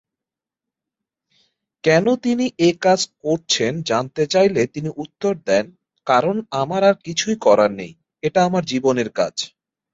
কেন তিনি এই কাজ করছেন জানতে চাইলে তিনি উত্তর দেন, "কারণ আমার আর কিছুই করার নেই; এটা আমার জীবনে কাজ।"